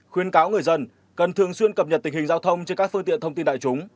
khuyên cáo người dân cần thường xuyên cập nhật tình hình giao thông trên các phương tiện thông tin đại chúng